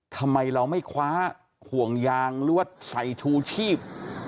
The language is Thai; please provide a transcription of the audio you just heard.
ทำไมเราไม่คว้าห่วงยางหรือว่าใส่ชูชีพ